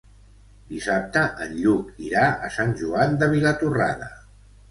Dissabte en Lluc irà a Sant Joan de Vilatorrada.